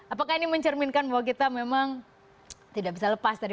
apakah ini mencerminkan bahwa kita memang tidak bisa lepas dari